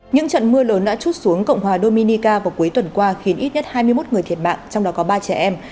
những trận mưa lớn đã chút xuống cộng hòa dominica vào cuối tuần qua khiến ít nhất hai mươi một người thiệt mạng trong đó có ba trẻ em